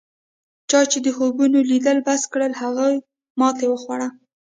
چا چې د خوبونو لیدل بس کړل هغوی ماتې وخوړه.